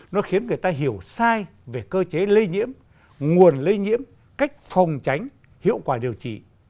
nó khiến người ta hiểu sai về cơ chế lây nhiễm nguồn lây nhiễm cách phòng tránh hiệu quả điều trị